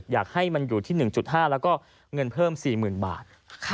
อยากให้มันอยู่ที่๑๕แล้วก็เงินเพิ่ม๔๐๐๐บาท